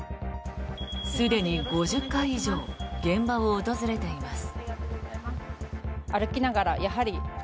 すでに５０回以上現場を訪れています。